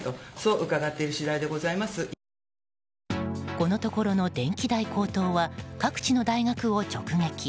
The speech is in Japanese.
このところの電気代高騰は各地の大学を直撃。